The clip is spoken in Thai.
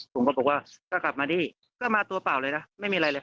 ผมก็บอกว่าก็กลับมาดิก็มาตัวเปล่าเลยนะไม่มีอะไรเลย